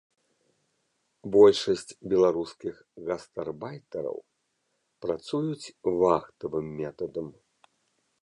Большасць беларускіх гастарбайтараў працуюць вахтавым метадам.